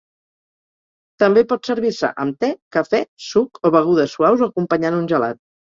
També pot servir-se amb te, cafè, suc o begudes suaus o acompanyant un gelat.